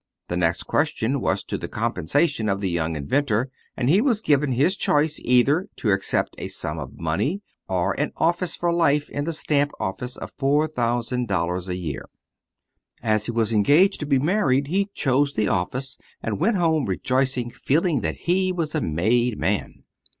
The next question was as to the compensation of the young inventor, and he was given his choice either to accept a sum of money or an office for life in the stamp office of four thousand dollars a year. As he was engaged to be married, he chose the office, and went home rejoicing, feeling that he was a made man.